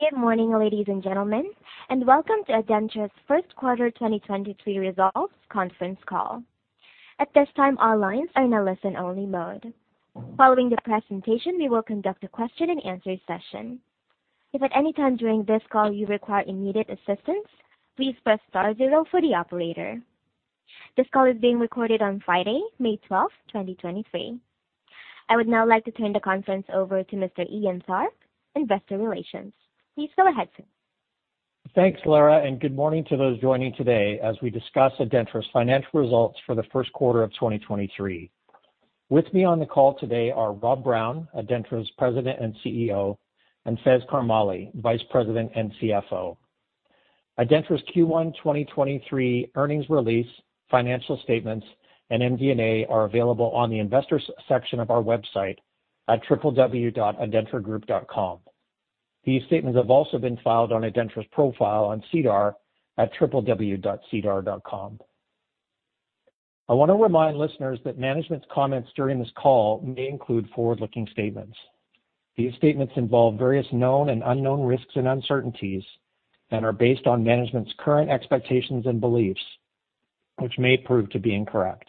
Good morning, ladies and gentlemen, welcome to Adentra's First Quarter 2023 Results Conference Call. At this time, all lines are in a listen-only mode. Following the presentation, we will conduct a question-and-answer session. If at any time during this call you require immediate assistance, please press star zero for the operator. This call is being recorded on Friday, 12 May 2023. I would now like to turn the conference over to Mr. Ian Sharp, Investor Relations. Please go ahead, sir. Thanks, Laura, good morning to those joining today as we discuss Adentra's financial results for the first quarter of 2023. With me on the call today are Rob Brown, Adentra's President and CEO, and Faiz Karmally, Vice President and CFO. Adentra's first quarter 2023 earnings release, financial statements, and MD&A are available on the investors section of our website at www.ADENTRAgroup.com. These statements have also been filed on Adentra's profile on SEDAR at www.sedar.com. I wanna remind listeners that management's comments during this call may include forward-looking statements. These statements involve various known and unknown risks and uncertainties and are based on management's current expectations and beliefs, which may prove to be incorrect.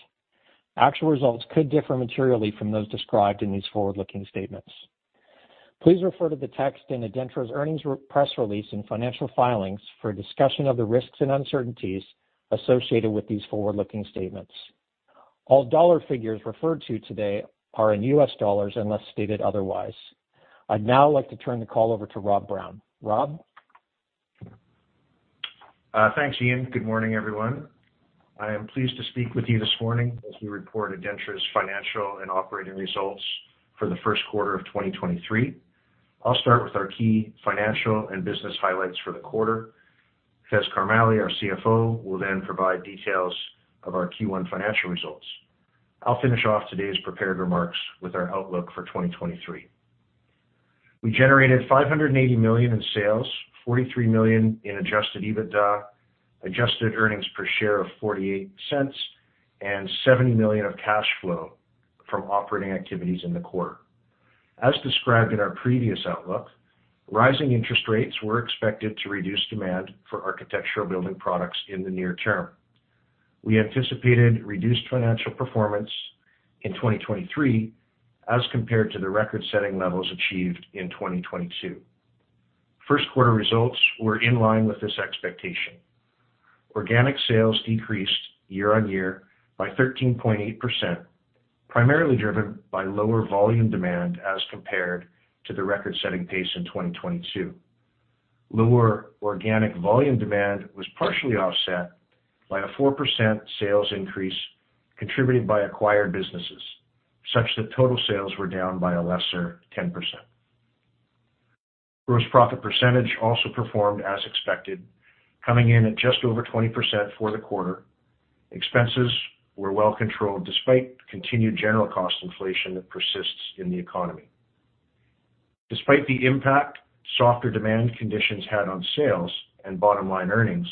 Actual results could differ materially from those described in these forward-looking statements. Please refer to the text in Adentra's earnings press release and financial filings for a discussion of the risks and uncertainties associated with these forward-looking statements. All dollar figures referred to today are in US dollars unless stated otherwise. I'd now like to turn the call over to Rob Brown. Rob? Thanks, Ian. Good morning, everyone. I am pleased to speak with you this morning as we report Adentra's financial and operating results for the first quarter of 2023. I'll start with our key financial and business highlights for the quarter. Faiz Karmally, our CFO, will then provide details of our first quarter financial results. I'll finish off today's prepared remarks with our outlook for 2023. We generated $580 million in sales, $43 million in Adjusted EBITDA, adjusted earnings per share of $0.48, and $70 million of cash flow from operating activities in the quarter. As described in our previous outlook, rising interest rates were expected to reduce demand for architectural building products in the near term. We anticipated reduced financial performance in 2023 as compared to the record-setting levels achieved in 2022. First quarter results were in line with this expectation. Organic sales decreased year-over-year by 13.8%, primarily driven by lower volume demand as compared to the record-setting pace in 2022. Lower organic volume demand was partially offset by a 4% sales increase contributed by acquired businesses, such that total sales were down by a lesser 10%. Gross profit percentage also performed as expected, coming in at just over 20% for the quarter. Expenses were well controlled despite continued general cost inflation that persists in the economy. Despite the impact softer demand conditions had on sales and bottom-line earnings,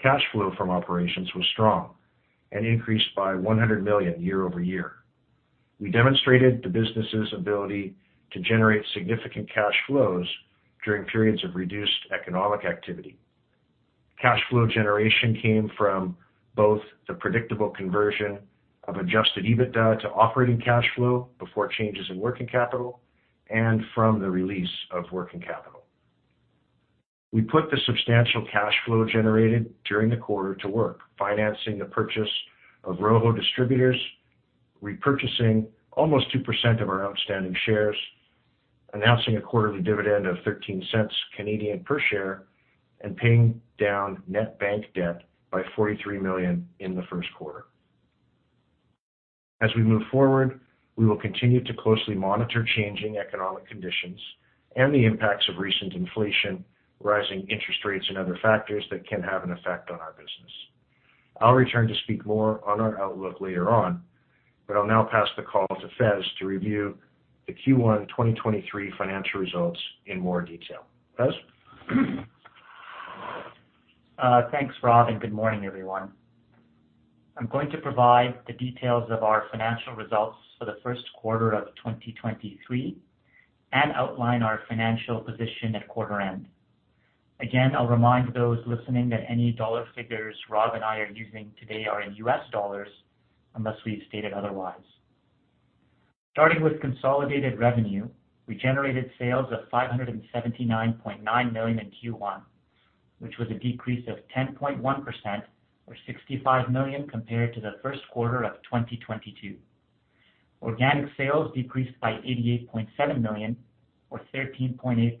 cash flow from operations was strong and increased by $100 million year-over-year. We demonstrated the business's ability to generate significant cash flows during periods of reduced economic activity. Cash flow generation came from both the predictable conversion of Adjusted EBITDA to operating cash flow before changes in working capital and from the release of working capital. We put the substantial cash flow generated during the quarter to work, financing the purchase of ROHO Distributors, repurchasing almost 2% of our outstanding shares, announcing a quarterly dividend of 0.13 per share, and paying down net bank debt by $43 million in the first quarter. As we move forward, we will continue to closely monitor changing economic conditions and the impacts of recent inflation, rising interest rates, and other factors that can have an effect on our business. I'll return to speak more on our outlook later on, but I'll now pass the call to Faiz to review the first quarter 2023 financial results in more detail. Faiz? Thanks, Rob, and good morning, everyone. I'm going to provide the details of our financial results for the first quarter of 2023 and outline our financial position at quarter end. Again, I'll remind those listening that any dollar figures Rob and I are using today are in US dollars unless we've stated otherwise. Starting with consolidated revenue, we generated sales of $579.9 million in first quarter, which was a decrease of 10.1% or $65 million compared to the first quarter of 2022. Organic sales decreased by $88.7 million or 13.8%,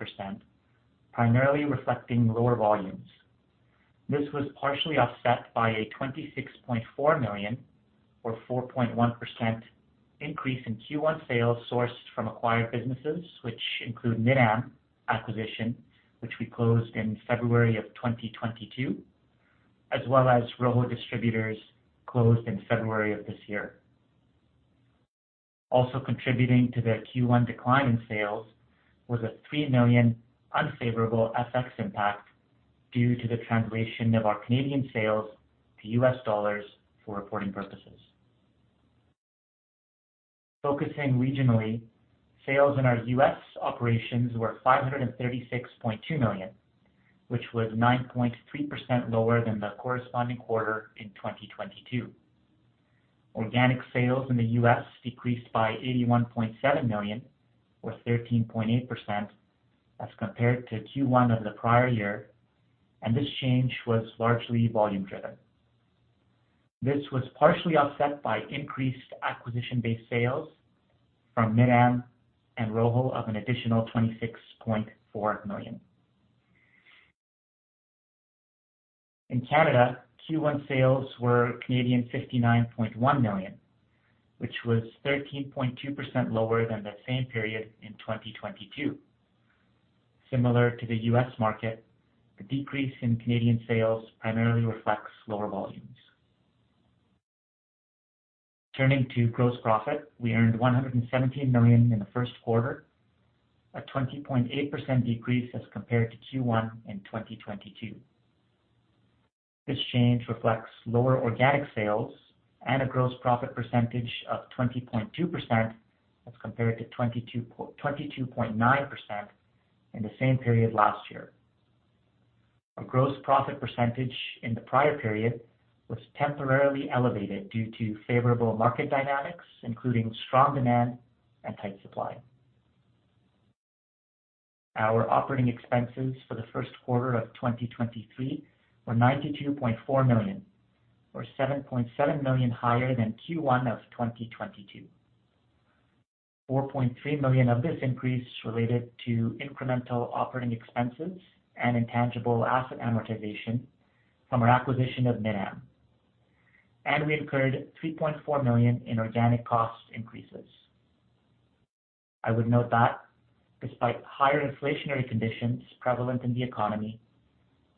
primarily reflecting lower volumes. This was partially offset by a $26.4 million or 4.1% increase in first quarter sales sourced from acquired businesses, which include Mid-Am acquisition, which we closed in February of 2022, as well as ROHO Distributors closed in February of this year. Also contributing to the first quarter decline in sales was a $3 million unfavorable FX impact due to the translation of our Canadian sales to US dollars for reporting purposes. Focusing regionally, sales in our US operations were $536.2 million, which was 9.3% lower than the corresponding quarter in 2022. Organic sales in the US decreased by $81.7 million or 13.8% as compared to first quarter of the prior year, this change was largely volume driven. This was partially offset by increased acquisition-based sales from Mid-Am and Rugby of an additional $26.4 million. In Canada, first quarter sales were 59.1 million, which was 13.2% lower than the same period in 2022. Similar to the US market, the decrease in Canadian sales primarily reflects lower volumes. Turning to gross profit, we earned $117 million in the first quarter, a 20.8% decrease as compared to first quarter in 2022. This change reflects lower organic sales and a gross profit percentage of 20.2% as compared to 22.9% in the same period last year. Our gross profit percentage in the prior period was temporarily elevated due to favorable market dynamics, including strong demand and tight supply. Our operating expenses for the first quarter of 2023 were $92.4 million, or $7.7 million higher than first quarter of 2022. $4.3 million of this increase related to incremental operating expenses and intangible asset amortization from our acquisition of Mid-Am. We incurred $3.4 million in organic cost increases. I would note that despite higher inflationary conditions prevalent in the economy,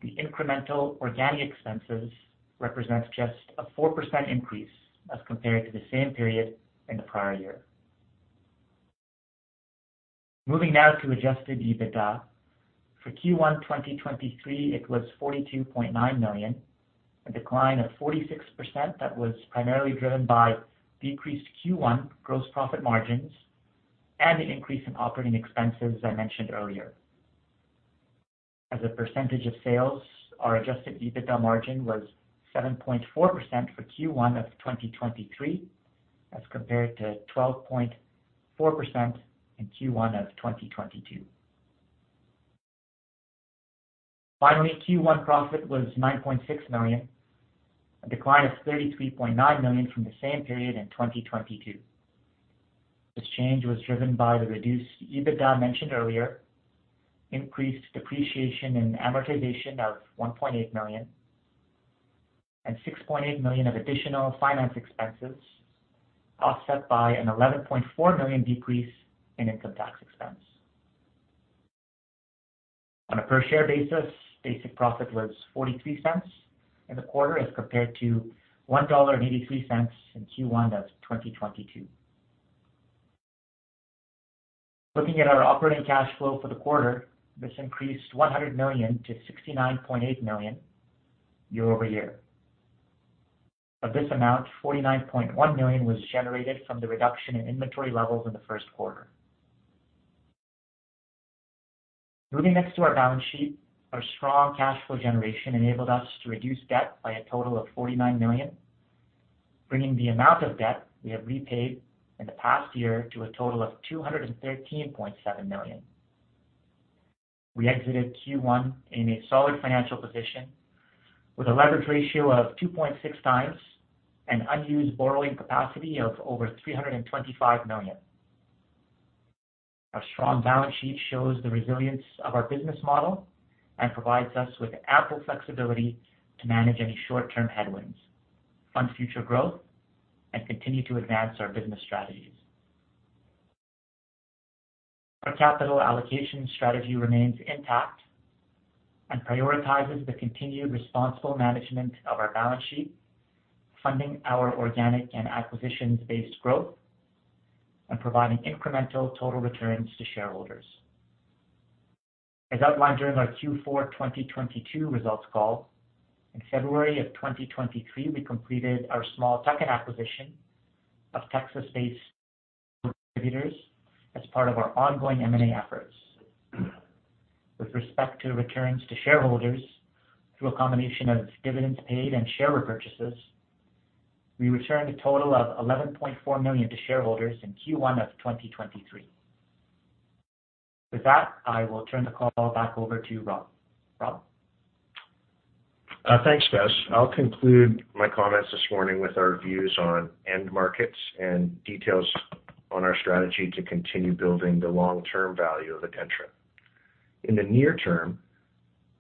the incremental organic expenses represents just a 4% increase as compared to the same period in the prior year. Moving now to Adjusted EBITDA. For first quarter 2023, it was $42.9 million, a decline of 46% that was primarily driven by decreased first quarter gross profit margins and an increase in operating expenses I mentioned earlier. As a percentage of sales, our Adjusted EBITDA margin was 7.4% for first quarter of 2023, as compared to 12.4% in first quarter of 2022. First quarter profit was $9.6 million, a decline of $33.9 million from the same period in 2022. This change was driven by the reduced EBITDA I mentioned earlier, increased depreciation and amortization of $1.8 million, and $6.8 million of additional finance expenses, offset by an $11.4 million decrease in income tax expense. On a per-share basis, basic profit was $0.43 in the quarter as compared to $1.83 in first quarter of 2022. Looking at our operating cash flow for the quarter, this increased $100 to 69.8 million year-over-year. Of this amount, $49.1 million was generated from the reduction in inventory levels in the first quarter. Moving next to our balance sheet, our strong cash flow generation enabled us to reduce debt by a total of $49 million, bringing the amount of debt we have repaid in the past year to a total of $213.7 million. We exited first quarter in a solid financial position with a leverage ratio of 2.6x an unused borrowing capacity of over $325 million. Our strong balance sheet shows the resilience of our business model and provides us with ample flexibility to manage any short-term headwinds, fund future growth, and continue to advance our business strategies. Our capital allocation strategy remains intact and prioritizes the continued responsible management of our balance sheet, funding our organic and acquisitions-based growth, and providing incremental total returns to shareholders. As outlined during our fourth quarter 2022 results call, in February of 2023, we completed our small tuck-in acquisition of Texas-based distributors as part of our ongoing M&A efforts. With respect to returns to shareholders through a combination of dividends paid and share repurchases, we returned a total of $11.4 million to shareholders in first quarter of 2023. With that, I will turn the call back over to Rob. Rob? Thanks, Faiz. I'll conclude my comments this morning with our views on end markets and details on our strategy to continue building the long-term value of Adentra. In the near term,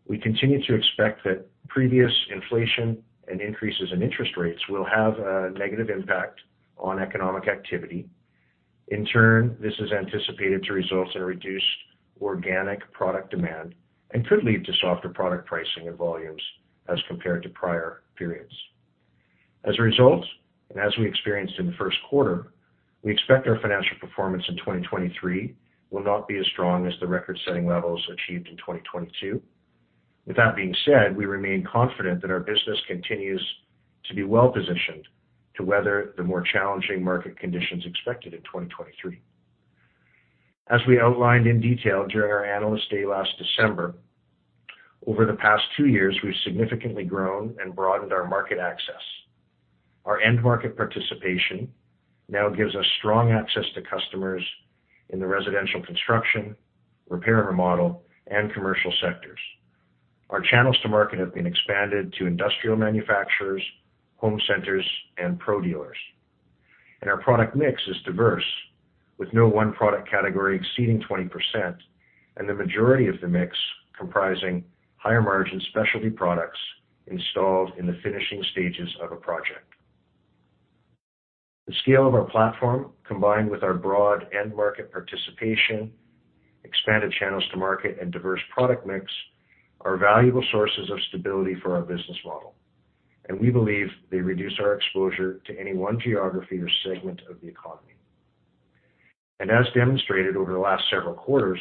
we continue to expect that previous inflation and increases in interest rates will have a negative impact on economic activity. In turn, this is anticipated to result in a reduced organic product demand and could lead to softer product pricing and volumes as compared to prior periods. As a result, and as we experienced in the first quarter, we expect our financial performance in 2023 will not be as strong as the record-setting levels achieved in 2022. With that being said, we remain confident that our business continues to be well-positioned to weather the more challenging market conditions expected in 2023. As we outlined in detail during our Analyst Day last December, over the past two years, we've significantly grown and broadened our market access. Our end market participation now gives us strong access to customers in the residential construction, repair and remodel, and commercial sectors. Our channels to market have been expanded to industrial manufacturers, home centers, and pro dealers. Our product mix is diverse, with no one product category exceeding 20%, and the majority of the mix comprising higher margin specialty products installed in the finishing stages of a project. The scale of our platform, combined with our broad end market participation, expanded channels to market and diverse product mix, are valuable sources of stability for our business model. We believe they reduce our exposure to any one geography or segment of the economy. As demonstrated over the last several quarters,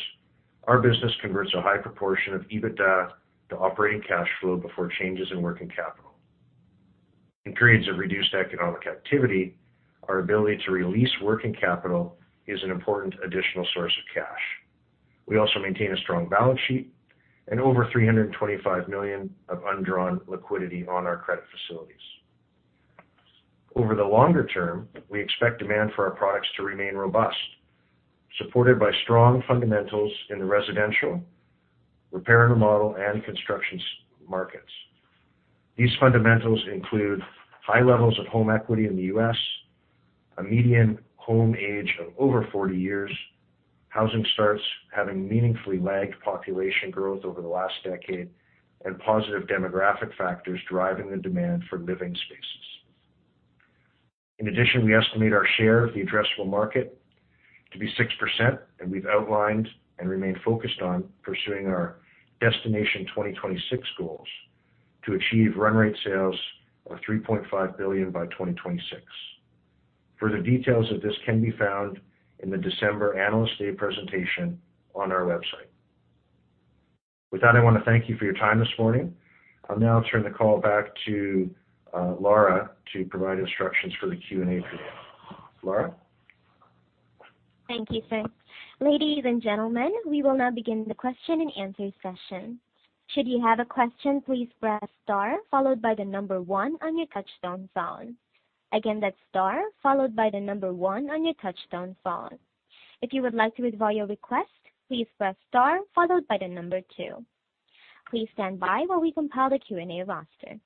our business converts a high proportion of Adjusted EBITDA to operating cash flow before changes in working capital. In periods of reduced economic activity, our ability to release working capital is an important additional source of cash. We also maintain a strong balance sheet and over $325 million of undrawn liquidity on our credit facilities. Over the longer term, we expect demand for our products to remain robust, supported by strong fundamentals in the residential, repair and remodel, and constructions markets. These fundamentals include high levels of home equity in the US, a median home age of over 40 years, housing starts having meaningfully lagged population growth over the last decade, and positive demographic factors driving the demand for living spaces. In addition, we estimate our share of the addressable market to be 6%. We've outlined and remain focused on pursuing our Destination 2026 goals to achieve run rate sales of $3.5 billion by 2026. Further details of this can be found in the December Analyst Day presentation on our website. With that, I want to thank you for your time this morning. I'll now turn the call back to Lara to provide instructions for the Q&A for you. Lara? Thank you, sir. Ladies and gentlemen, we will now begin the question-and-answer session. Should you have a question, please press star followed by the number one on your touchtone phone. Again, that's star followed by the number one on your touchtone phone. If you would like to withdraw your request, please press star followed by the number two. Please stand by while we compile the Q&A roster.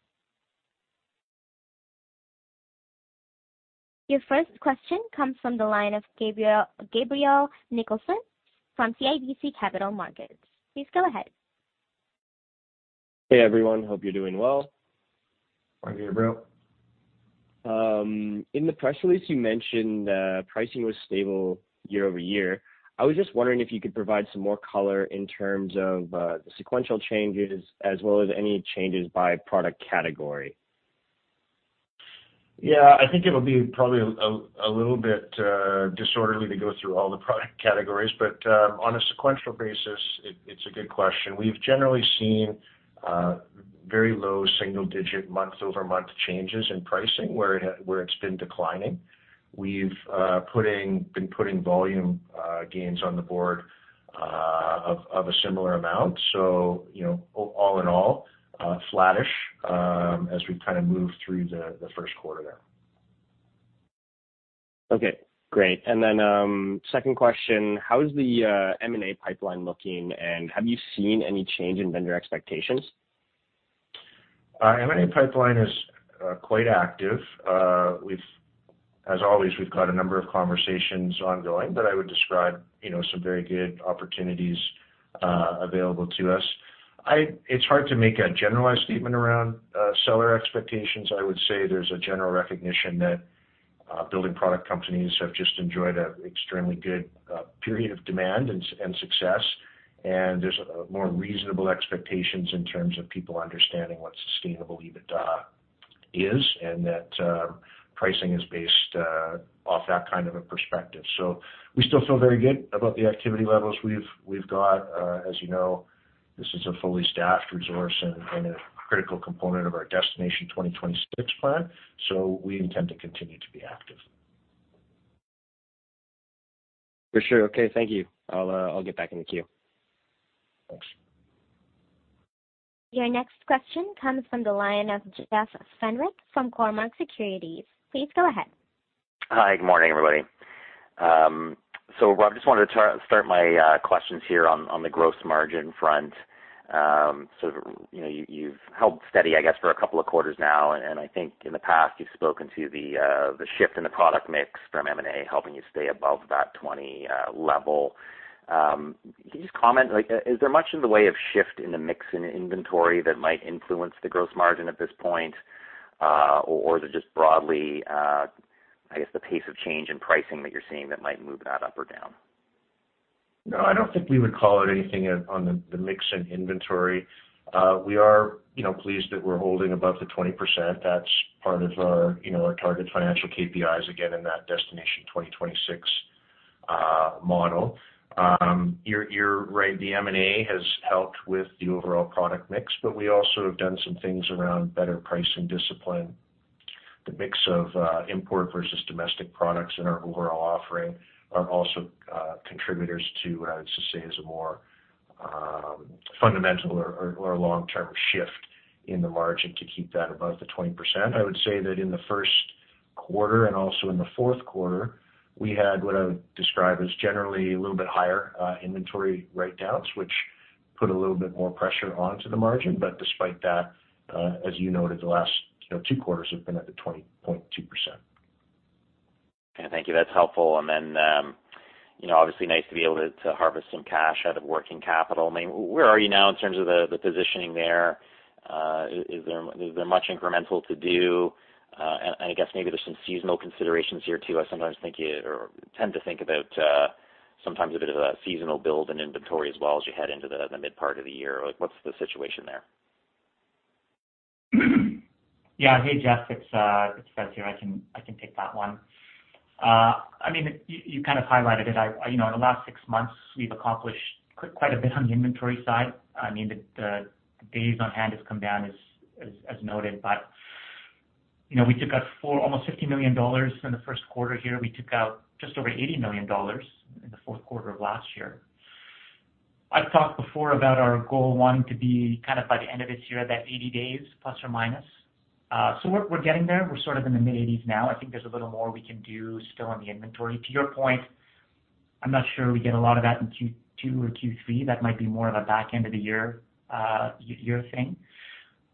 Your first question comes from the line of Gabriel Nicholson from CIBC Capital Markets. Please go ahead. Hey, everyone. Hope you're doing well. Morning, Gabriel. In the press release, you mentioned, pricing was stable year-over-year. I was just wondering if you could provide some more color in terms of, the sequential changes as well as any changes by product category. I think it'll be probably a little bit disorderly to go through all the product categories, but on a sequential basis, it's a good question. We've generally seen very low single-digit month-over-month changes in pricing, where it's been declining. We've been putting volume gains on the board of a similar amount. you know, all in all, flattish, as we kind of move through the first quarter there. Okay. Great. Second question, how is the M&A pipeline looking, and have you seen any change in vendor expectations? M&A pipeline is quite active. As always, we've got a number of conversations ongoing that I would describe, you know, some very good opportunities available to us. It's hard to make a generalized statement around seller expectations. I would say there's a general recognition that building product companies have just enjoyed a extremely good period of demand and success. There's a more reasonable expectations in terms of people understanding what sustainable EBITDA is and that pricing is based off that kind of a perspective. We still feel very good about the activity levels we've got. As you know, this is a fully staffed resource and a critical component of our Destination 2026 plan, so we intend to continue to be active. For sure. Okay. Thank you. I'll get back in the queue. Thanks. Your next question comes from the line of Jeff Fenwick from Cormark Securities. Please go ahead. Hi. Good morning, everybody. Rob, just wanted to start my questions here on the gross margin front. You know, you've held steady, I guess, for a couple of quarters now, and I think in the past, you've spoken to the shift in the product mix from M&A helping you stay above that 20 level. Can you just comment, like is there much in the way of shift in the mix in inventory that might influence the gross margin at this point, or is it just broadly, I guess, the pace of change in pricing that you're seeing that might move that up or down? No. I don't think we would call it anything on the mix in inventory. We are, you know, pleased that we're holding above the 20%. That's part of our, you know, our target financial KPIs again in that Destination 2026 model. You're, you're right, the M&A has helped with the overall product mix, but we also have done some things around better pricing discipline. The mix of import versus domestic products in our overall offering are also contributors to what I'd say is a more fundamental or long-term shift in the margin to keep that above the 20%. I would say that in the first quarter and also in the fourth quarter, we had what I would describe as generally a little bit higher inventory write-downs, which put a little bit more pressure onto the margin. Despite that, as you noted, the last, you know, two quarters have been at the 20.2%. Okay. Thank you. That's helpful. You know, obviously nice to be able to harvest some cash out of working capital. I mean, where are you now in terms of the positioning there? Is there much incremental to do? I guess maybe there's some seasonal considerations here too. I sometimes think or tend to think about sometimes a bit of a seasonal build and inventory as well as you head into the mid part of the year. Like, what's the situation there? Hey, Jeff. It's Faiz here. I can take that one. I mean, you kind of highlighted it. You know, in the last six months, we've accomplished quite a bit on the inventory side. I mean, the days on hand has come down as noted. You know, we took out almost $50 million in the first quarter here. We took out just over $80 million in the fourth quarter of last year. I've talked before about our goal wanting to be kind of by the end of this year at that 80 days, plus or minus. We're getting there. We're sort of in the mid-80s now. I think there's a little more we can do still on the inventory. To your point, I'm not sure we get a lot of that in second quarter or third quarter. That might be more of a back end of the year thing.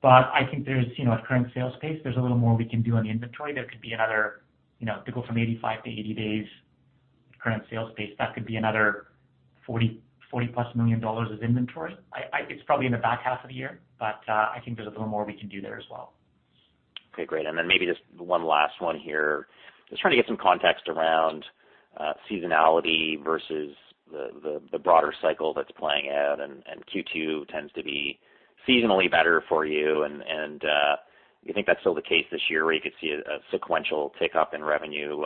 I think there's, you know, at current sales pace, there's a little more we can do on the inventory. There could be another, you know, to go from 85 to 80 days current sales pace, that could be another $40 plus million of inventory. It's probably in the back half of the year, but I think there's a little more we can do there as well. Okay. Great. Then maybe just one last one here. Just trying to get some context around seasonality versus the broader cycle that's playing out. second quarter tends to be seasonally better for you and you think that's still the case this year where you could see a sequential tick up in revenue,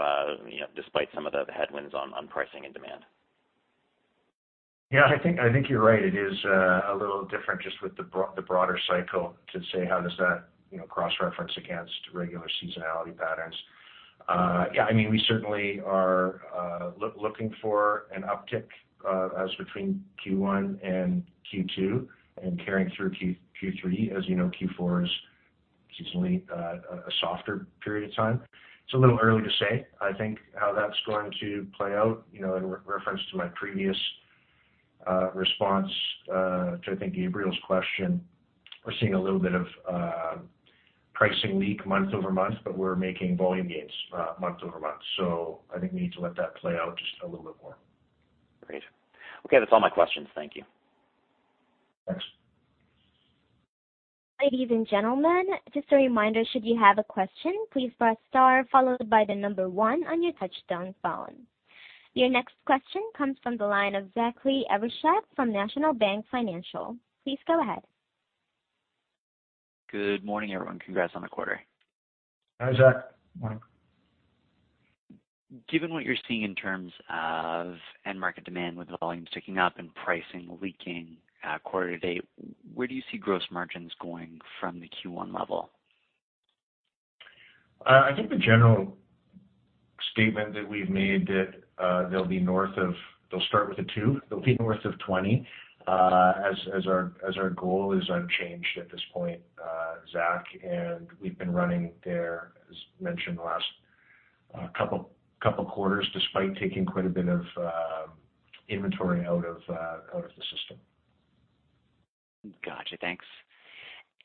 you know, despite some of the headwinds on pricing and demand? I think you're right. It is a little different just with the broader cycle to say how does that, you know, cross-reference against regular seasonality patterns. I mean, we certainly are looking for an uptick as between first quarter and second quarter and carrying through third quarter. You know, fourth quarter is seasonally a softer period of time. It's a little early to say, I think, how that's going to play out. You know, in reference to my previous response to I think Gabriel's question, we're seeing a little bit of pricing leak month-over-month, we're making volume gains month-over-month. I think we need to let that play out just a little bit more. Great. Okay. That's all my questions. Thank you. Thanks. Ladies and gentlemen, just a reminder, should you have a question, please press star followed by one on your touchtone phone. Your next question comes from the line of Zachary Evershed from National Bank Financial. Please go ahead. Good morning, everyone. Congrats on the quarter. Hi, Zach. Morning. Given what you're seeing in terms of end market demand with volumes ticking up and pricing leaking, quarter to date, where do you see gross margins going from the first quarter level? I think the general statement that we've made that, they'll be north of... They'll start with a two. They'll be north of 20, as our goal is unchanged at this point, Zach. We've been running there, as mentioned, the last, couple quarters despite taking quite a bit of, inventory out of, out of the system. Gotcha. Thanks.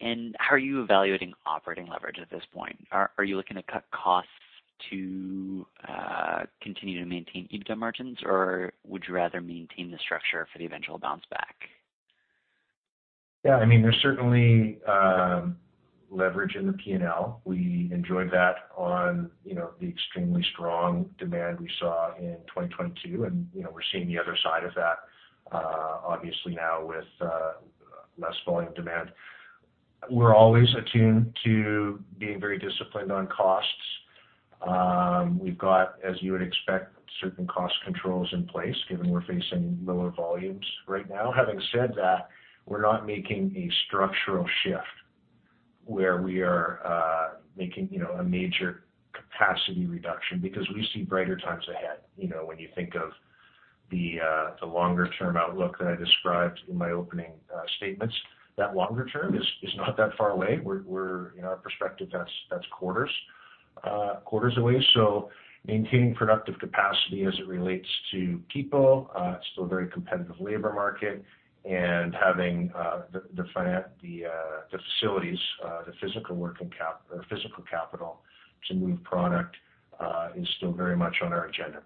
How are you evaluating operating leverage at this point? Are you looking to cut costs to continue to maintain EBITDA margins, or would you rather maintain the structure for the eventual bounce back? Yeah, I mean, there's certainly leverage in the P&L. We enjoyed that on, you know, the extremely strong demand we saw in 2022, and, you know, we're seeing the other side of that obviously now with less volume demand. We're always attuned to being very disciplined on costs. We've got, as you would expect, certain cost controls in place given we're facing lower volumes right now. Having said that, we're not making a structural shift where we are making, you know, a major capacity reduction because we see brighter times ahead. You know, when you think of the longer-term outlook that I described in my opening statements, that longer term is not that far away. We're... In our perspective, that's quarters away. Maintaining productive capacity as it relates to people, still very competitive labor market and having the facilities, the physical capital to move product, is still very much on our agenda.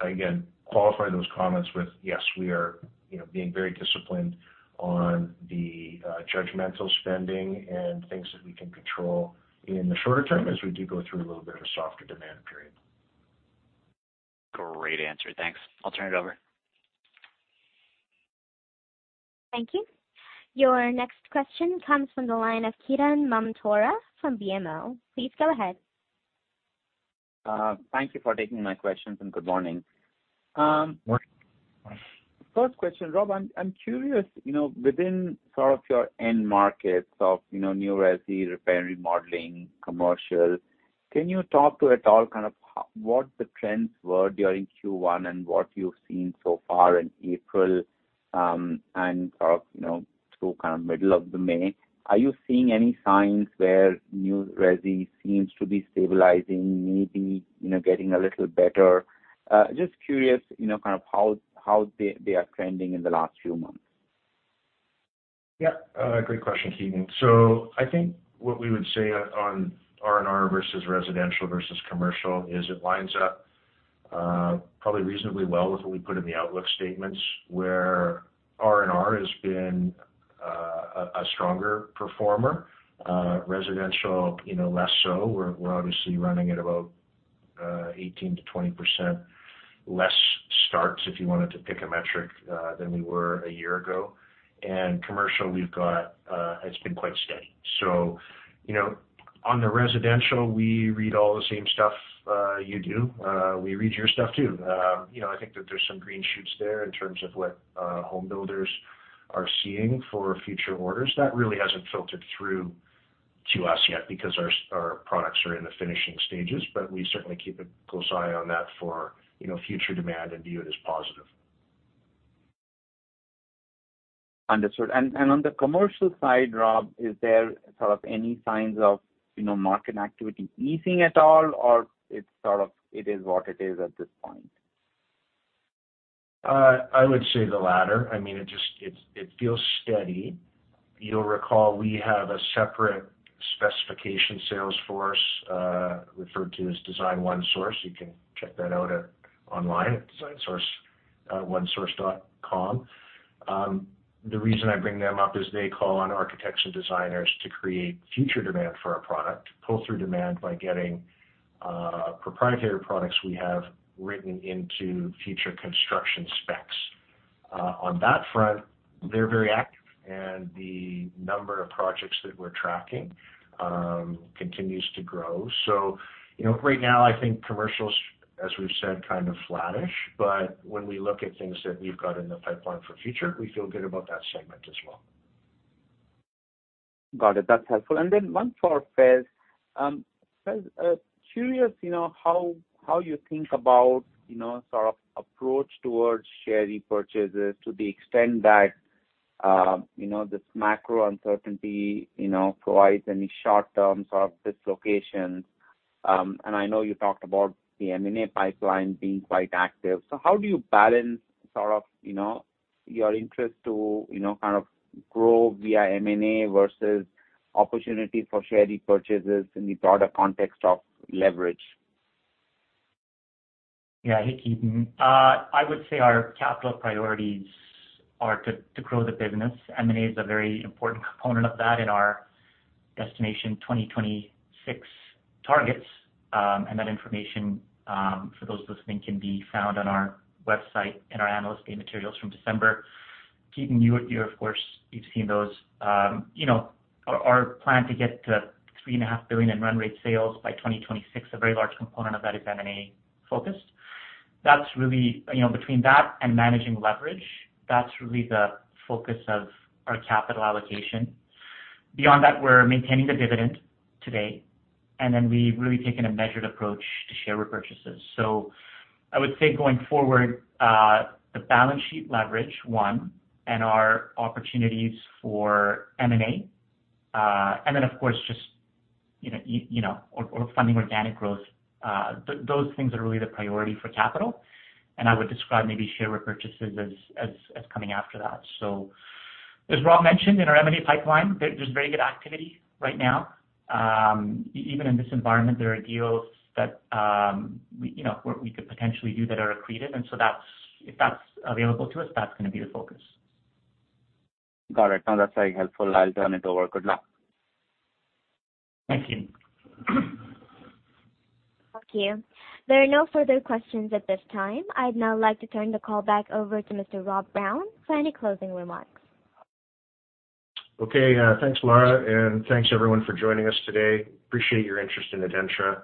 I again qualify those comments with, yes, we are, you know, being very disciplined on the judgmental spending and things that we can control in the shorter term as we do go through a little bit of a softer demand period. Great answer. Thanks. I'll turn it over. Thank you. Your next question comes from the line of Ketan Mamtora from BMO. Please go ahead. Thank you for taking my questions and good morning. Morning. First question, Rob. I'm curious, you know, within sort of your end markets of, you know, new resi, repair and remodeling, commercial, can you talk to at all what the trends were during first quarter and what you've seen so far in April, and sort of, you know, through kind of middle of the May? Are you seeing any signs where new resi seems to be stabilizing, maybe, you know, getting a little better? Just curious, you know, kind of how they are trending in the last few months. Great question, Ketan. I think what we would say on R&R versus residential versus commercial is it lines up, probably reasonably well with what we put in the outlook statements, where R&R has been a stronger performer, residential, you know, less so. We're obviously running at about 18% to 20% less starts, if you wanted to pick a metric, than we were a year ago. Commercial, we've got has been quite steady. You know, on the residential, we read all the same stuff, you do. We read your stuff too. You know, I think that there's some green shoots there in terms of what home builders are seeing for future orders. That really hasn't filtered through to us yet because our products are in the finishing stages, but we certainly keep a close eye on that for, you know, future demand and view it as positive. Understood. On the commercial side, Rob, is there sort of any signs of, you know, market activity easing at all, or it's sort of it is what it is at this point? I would say the latter. I mean, it feels steady. You'll recall we have a separate specification sales force, referred to as DesignOneSource. You can check that out online at designonesource.com. The reason I bring them up is they call on architects and designers to create future demand for our product, to pull through demand by getting proprietary products we have written into future construction specs. On that front, they're very active, and the number of projects that we're tracking continues to grow. You know, right now I think commercials, as we've said, kind of flattish, but when we look at things that we've got in the pipeline for future, we feel good about that segment as well. Got it. That's helpful. Then one for Faiz. Faiz, curious, you know, how you think about, you know, sort of approach towards share repurchases to the extent that, you know, this macro uncertainty, you know, provides any short-term sort of dislocations. I know you talked about the M&A pipeline being quite active. How do you balance sort of, you know, your interest to kind of grow via M&A versus opportunity for share repurchases in the broader context of leverage? Yeah. Hey, Ketan. I would say our capital priorities are to grow the business. M&A is a very important component of that in our Destination 2026 targets. That information, for those listening, can be found on our website in our Analyst Day materials from December. Ketan, you of course, you've seen those. You know, our plan to get to $3.5 billion in run rate sales by 2026, a very large component of that is M&A focused. That's really. You know, between that and managing leverage, that's really the focus of our capital allocation. Beyond that, we're maintaining the dividend today, then we've really taken a measured approach to share repurchases. I would say going forward, the balance sheet leverage, one, and our opportunities for M&A, and then of course, just, you know, you know, or funding organic growth, those things are really the priority for capital, and I would describe maybe share repurchases as coming after that. As Rob mentioned, in our M&A pipeline, there's very good activity right now. Even in this environment, there are deals that, we, you know, we could potentially do that are accretive, and so that's, if that's available to us, that's gonna be the focus. Got it. No, that's very helpful. I'll turn it over. Good luck. Thank you. Thank you. There are no further questions at this time. I'd now like to turn the call back over to Mr. Rob Brown for any closing remarks. Okay. Thanks, Laura, and thanks everyone for joining us today. Appreciate your interest in Adentra.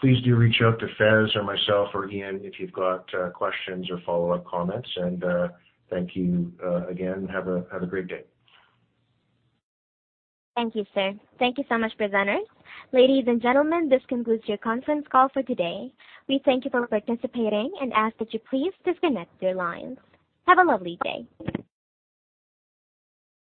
Please do reach out to Faiz or myself or Ian if you've got questions or follow-up comments. Thank you again and have a great day. Thank you, sir. Thank you so much, presenters. Ladies and gentlemen, this concludes your conference call for today. We thank you for participating and ask that you please disconnect your lines. Have a lovely day.